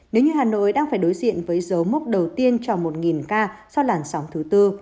nếu như hà nội đang phải đối diện với dấu mốc đầu tiên trò một ca sau làn sóng thứ tư